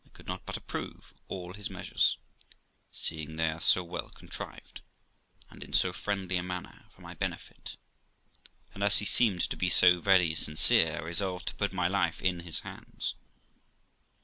I could not but approve all his measures, seeing they were so well contrived, and in so friendly a manner, for my benefit ; and, as he seemed to be so very sincere, I resolved to put my life in his hands.